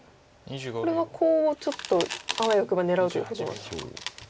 これはコウをちょっとあわよくば狙うということなんでしょうか。